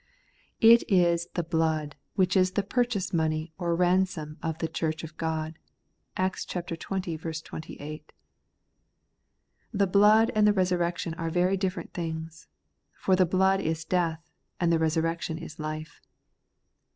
It is the blood which is the purchase money or ransom of the church of God (Acts xx. 28). The blood and the resurrection are very different things ; for the blood is death, and the resurrection is life.